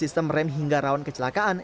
kendala dalam sistem rem hingga rawan kecelakaan